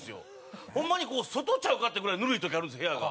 ホンマに外ちゃうかってぐらいぬるい時あるんですよ部屋が。